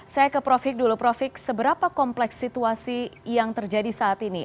saya ke prof hikmahanto juwana dulu prof hikmahanto juwana seberapa kompleks situasi yang terjadi saat ini